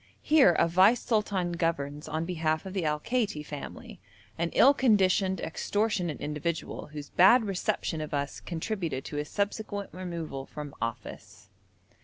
Here a vice sultan governs on behalf of the Al Kaiti family, an ill conditioned, extortionate individual, whose bad reception of us contributed to his subsequent removal from office.